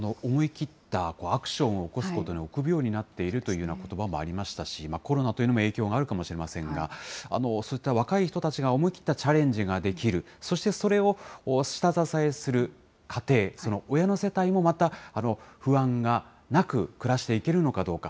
思い切ったアクションを起こすことに臆病になっているということばもありましたし、コロナというのも影響があるかもしれませんが、そういった若い人たちが思い切ったチャレンジができる、そしてそれを下支えする家庭、その親の世帯もまた、不安がなく、暮らしていけるのか。